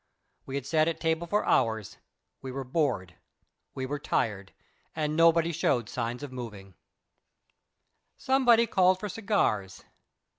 We had sat at table for hours; we were bored, we were tired, and nobody showed signs of moving. Somebody called for cigars.